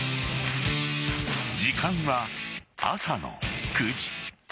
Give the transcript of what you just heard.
時間は朝の９時。